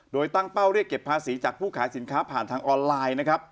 โดยตั้งเป้าเรียกเก็บภาษีจากผู้ขายสินค้าผ่านทางออนไลน์นะครับ